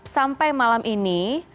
sampai malam ini